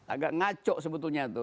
agak ngaco sebetulnya tuh